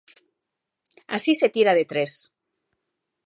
Así se tira de tres.